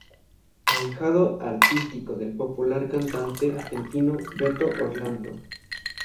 Ahijado artístico del popular cantante argentino Beto Orlando.